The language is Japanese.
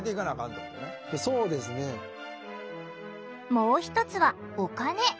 もう一つはお金。